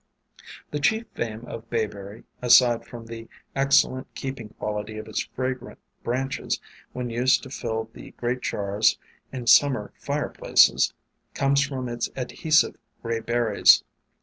The chief fame of Bayberry, aside from the 2QO WAYFARERS excellent keeping quality of its fragrant branches when used to fill the great jars in Summer fire places, comes from its adhesive gray berries.